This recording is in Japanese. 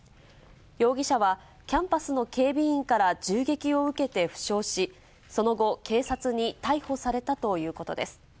容疑者は、キャンパスの警備員から銃撃を受けて負傷し、その後、警察に逮捕されたということです。